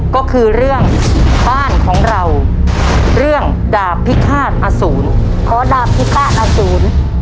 ก็คือเรื่องบ้านของเราเรื่องดาบพิฆาตอสูรขอดาบพิฆาตอสูร